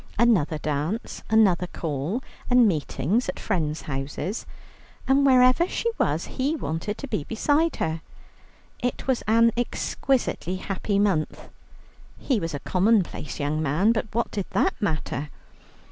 Another dance, another call, and meetings at friends' houses, and wherever she was he wanted to be beside her. It was an exquisitely happy month. He was a commonplace young man, but what did that matter?